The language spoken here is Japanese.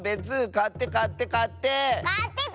かってかってかって！